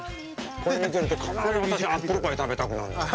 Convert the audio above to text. これを見てると必ずアップルパイを食べたくなるの。